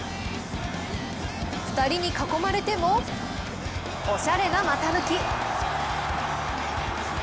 ２人に囲まれてもおしゃれな股抜き。